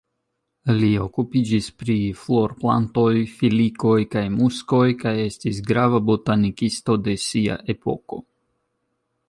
Li okupiĝis pri florplantoj, filikoj kaj muskoj kaj estis grava botanikisto de sia epoko.